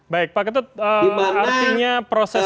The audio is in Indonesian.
baik pak ketut artinya proses